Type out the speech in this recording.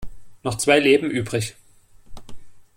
Noch zwei Leben übrig.